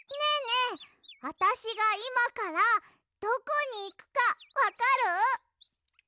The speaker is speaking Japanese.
えあたしがいまからどこにいくかわかる？